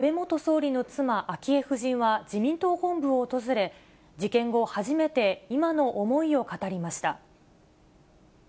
一方、安倍元総理の妻、昭恵夫人は自民党本部を訪れ、事件後、初めて今の思いを語りました。